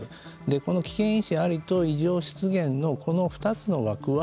この危険因子があると異常出現のこの２つの枠は